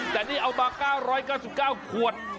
แต่นี่เอามา๙๙๙ขวด